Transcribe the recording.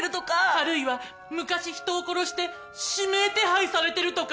あるいは昔人を殺して指名手配されてるとか。